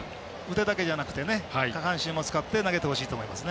腕だけじゃなくて下半身も使って投げてほしいと思います。